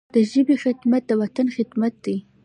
د ژبي خدمت، د وطن خدمت دی.